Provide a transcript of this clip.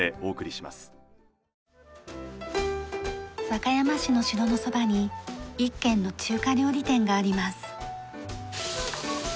和歌山市の城のそばに一軒の中華料理店があります。